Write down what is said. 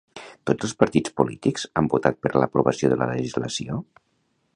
Tots els partits polítics han votat per l'aprovació de la legislació?